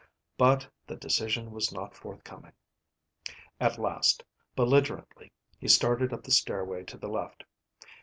But the decision was not forthcoming. At last, belligerently he started up the stairway to the left.